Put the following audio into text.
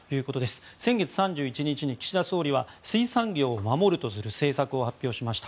先月３１日に岸田総理は水産業を守るとする政策を発表しました。